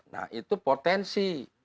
nah itu potensi